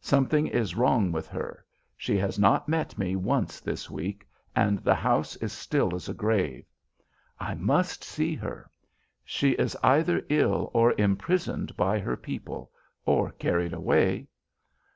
Something is wrong with her. She has not met me once this week, and the house is still as a grave. I must see her. She is either ill or imprisoned by her people, or carried away.